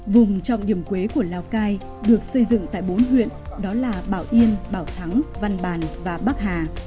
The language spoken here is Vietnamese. vùng trọng điểm quế của lào cai được xây dựng tại bốn huyện đó là bảo yên bảo thắng văn bàn và bắc hà